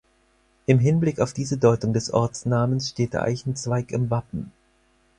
Im Hinblick auf diese Deutung des Ortsnamens steht der Eichenzweig im Wappen.